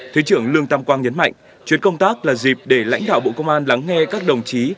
thứ trưởng lương tam quang nhấn mạnh chuyến công tác là dịp để lãnh đạo bộ công an lắng nghe các đồng chí